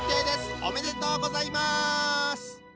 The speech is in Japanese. おめでとうございます！